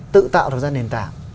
tự tạo ra nền tảng